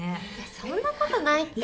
そんなことないって。